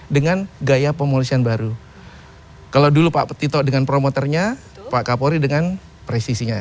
dengan gaya pemulihan baru kalau dulu pak tito dengan promoternya pak kapolri dengan presisinya